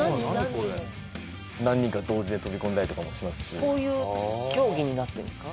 これ何人か同時で飛び込んだりとかもしますしこういう競技になってるんですか？